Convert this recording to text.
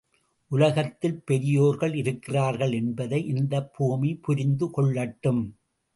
உலகத்தில் பெரியோர்கள் இருக்கிறார்கள் என்பதை இந்தப் பூமி புரிந்து கொள்ளட்டும்.